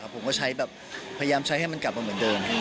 ผมก็ใช้แบบพยายามใช้ให้มันกลับมาเหมือนเดิม